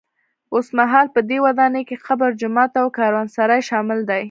اوسمهال په دې ودانۍ کې قبر، جومات او کاروانسرای شامل دي.